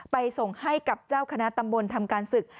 ส่งให้กับเจ้าคณะตำบลทำการศึก